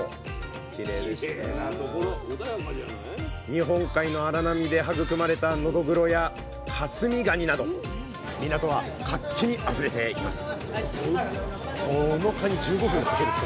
日本海の荒波で育まれたノドグロや香住ガニなど港は活気にあふれています